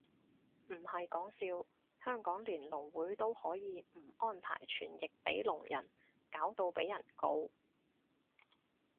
唔係講笑，香港連聾會都可以唔安排傳譯俾聾人，搞到被人告